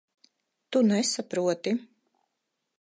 Tu nesaproti.